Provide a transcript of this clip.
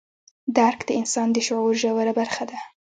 درک د انسان د شعور ژوره برخه ده.